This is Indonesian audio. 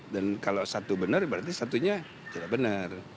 dan kalau satu benar berarti satunya tidak benar